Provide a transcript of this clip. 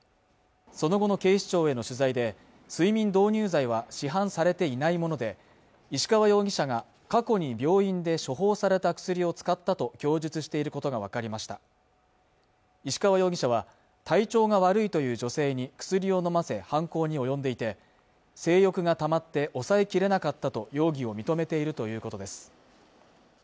その後の警視庁への取材で睡眠導入剤は市販されていないもので石川容疑者が過去に病院で処方された薬を使ったと供述していることが分かりました石川容疑者は体調が悪いという女性に薬を飲ませ犯行に及んでいて性欲がたまって抑えきれなかったと容疑を認めているということです